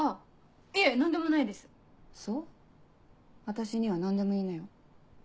私には何でも言いなよ。